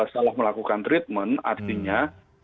salah melakukan treatment artinya